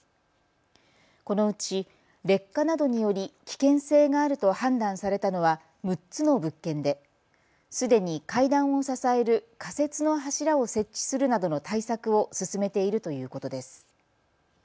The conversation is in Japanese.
このうち劣化などにより危険性があると判断されたのは６つの物件ですでに階段を支える仮設の柱を設置するなどの対策を進めているということです。